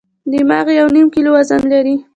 دماغ یو نیم کیلو وزن لري.